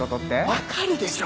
分かるでしょ。